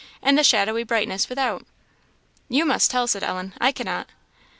and the shadowy brightness without?" "You must tell," said Ellen; "I cannot."